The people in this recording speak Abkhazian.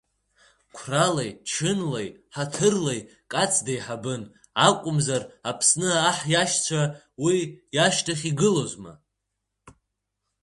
Қәралеи, чынлеи, ҳаҭырлеи Кац деиҳабын, акәымзар Аԥсны аҳ иашьцәа уи иашьҭахь игылозма.